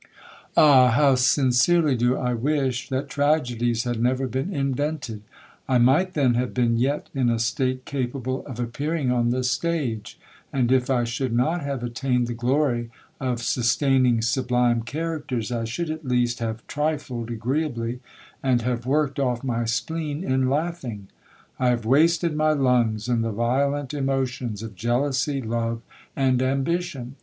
"Ah! how sincerely do I wish that tragedies had never been invented! I might then have been yet in a state capable of appearing on the stage; and if I should not have attained the glory of sustaining sublime characters, I should at least have trifled agreeably, and have worked off my spleen in laughing! I have wasted my lungs in the violent emotions of jealousy, love, and ambition.